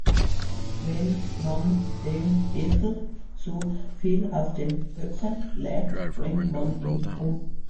Wenn man dem Esel zu viel auf den Rücken lädt, bringt man ihn um.